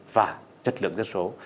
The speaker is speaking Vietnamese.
và chất lượng dân số